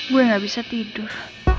gue gak bisa tidur